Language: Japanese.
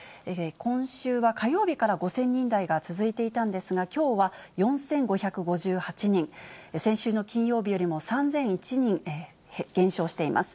今週は火曜日から５０００人台が続いていたんですが、きょうは４５５８人、先週の金曜日よりも３００１人減少しています。